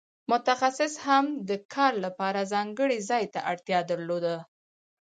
متخصص هم د کار لپاره ځانګړي ځای ته اړتیا درلوده.